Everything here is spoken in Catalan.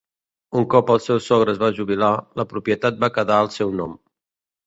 Un cop el seu sogre es va jubilar, la propietat va quedar al seu nom.